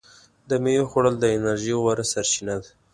د میوې خوړل د انرژۍ غوره سرچینه ده.